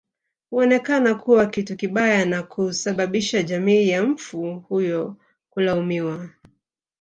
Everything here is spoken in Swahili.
Huonekana kuwa kitu kibaya na kusababisha jamii ya mfu huyo kulaumiwa